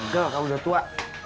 gila kau udah tua